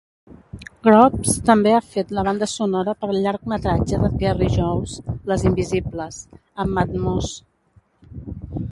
Grubbs també ha fet la banda sonora per al llargmetratge de Thierry Jousse "Les Invisibles" amb Matmos.